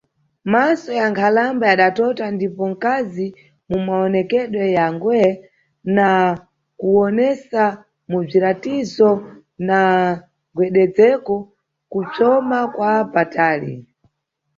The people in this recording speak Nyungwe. Maso ya nkhalamba yadatota ndipo mkazi mu mawonekedwe ya ngwe, na kuwonesa mu bziratizo na mgwededzeko, kupsoma kwa patali.